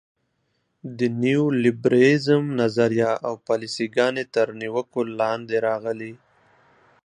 د نیولیبرالیزم نظریه او پالیسي ګانې تر نیوکو لاندې راغلي.